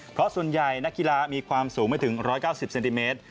เพราะส่วนใหญ่นักกีฬามีความสูงไม่ถึง๑๙๐เซนติเมตร